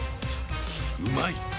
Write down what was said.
うまい！